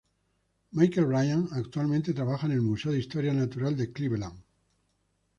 Michael Ryan actualmente trabaja en el Museo de Historia Natural de Cleveland, en Cleveland.